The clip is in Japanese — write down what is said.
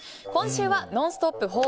今週は「ノンストップ！」